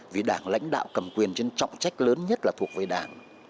vì đảng lãnh đạo cầm quyền trên trọng trách lớn nhất là thuộc về đảng